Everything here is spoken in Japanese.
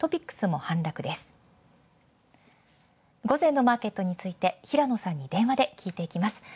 午前のマーケットについて平野さんに電話で聞いていきます。